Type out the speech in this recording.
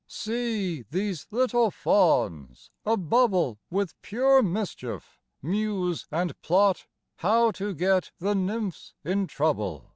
See 1 these little fauns, a bubble With pure mischief, muse and plot How to get the nymphs in trouble.